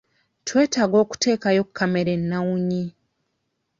Twetaaga okuteekayo kamera ennawunyi.